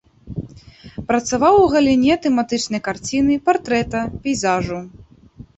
Працаваў у галіне тэматычнай карціны, партрэта, пейзажу.